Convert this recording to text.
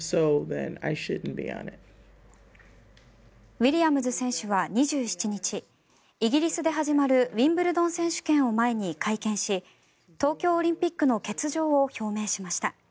ウィリアムズ選手は２７日イギリスで始まるウィンブルドン選手権を前に会見し東京オリンピックの欠場を表明しました。